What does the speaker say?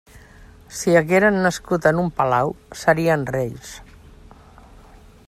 Si hagueren nascut en un palau, serien reis.